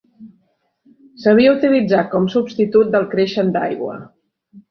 S'havia utilitzat com substitut del creixen d'aigua.